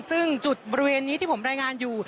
ซึ่งจุดบริเวณนี้ที่ผมรายงานอยู่